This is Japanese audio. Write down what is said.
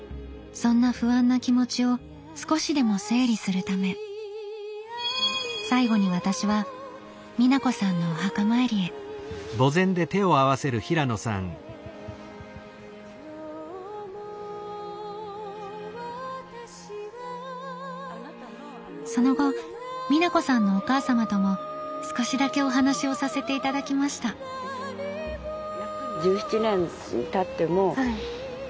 そんな不安な気持ちを少しでも整理するため最後に私は美奈子さんのお墓参りへその後美奈子さんのお母様とも少しだけお話をさせていただきましたえ！